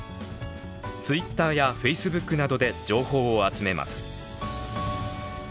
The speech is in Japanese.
ツイッターやフェイスブックなどで情報を集めます。